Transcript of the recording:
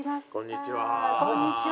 こんにちは。